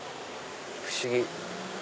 不思議。